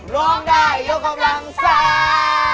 ร้องได้ยกกำลังซ่า